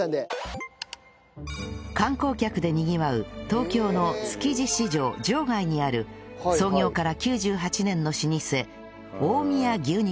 観光客でにぎわう東京の築地市場場外にある創業から９８年の老舗近江屋牛肉店